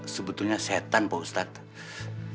sebetulnya setan pak ustadz